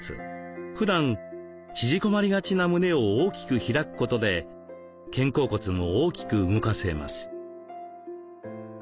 ふだん縮こまりがちな胸を大きく開くことで肩甲骨も大きく動かせます。